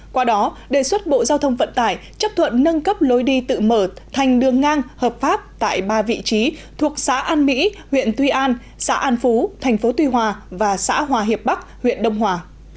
qua đó đề xuất bộ giao thông vận tải chấp thuận nâng cấp lối đi tự mở thành đường ngang hợp pháp tại ba vị trí thuộc xã an mỹ huyện tuy an xã an phú thành phố tuy hòa và xã hòa hiệp bắc huyện đông hòa